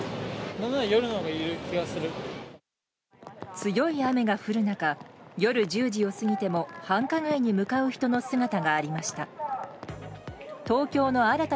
強い雨が降る中夜１０時を過ぎても繁華街に向かう人の姿がありました。